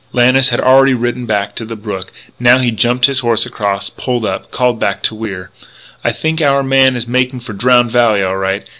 Lannis had already ridden down to the brook. Now he jumped his horse across, pulled up, called back to Wier: "I think our man is making for Drowned Valley, all right.